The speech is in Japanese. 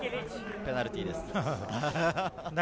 ペナルティーです。